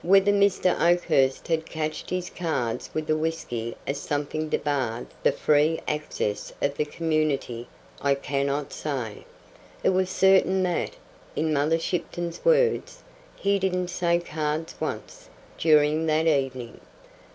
Whether Mr. Oakhurst had cached his cards with the whisky as something debarred the free access of the community, I cannot say. It was certain that, in Mother Shipton's words, he "didn't say cards once" during that evening.